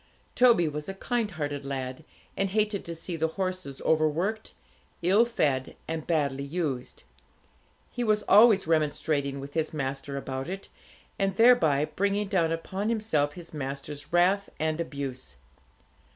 Toby was a kind hearted lad, and hated to see the horses over worked, ill fed, and badly used. He was always remonstrating with his master about it, and thereby bringing down upon himself his master's wrath and abuse.